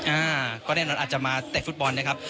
อ่าก็แน่นอนอาจจะมาเตะฟุตบอลนะครับ